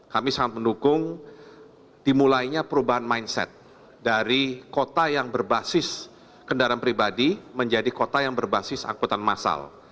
kami sangat mendukung dimulainya perubahan mindset dari kota yang berbasis kendaraan pribadi menjadi kota yang berbasis angkutan massal